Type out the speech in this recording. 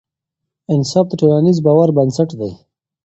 انصاف د ټولنیز باور بنسټ دی